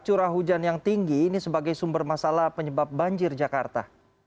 curah hujan yang tinggi ini sebagai sumber masalah penyebab banjir jakarta